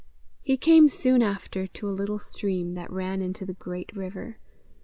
He came soon after to a little stream that ran into the great river.